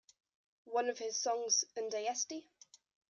One of his songs: 'Unde esti?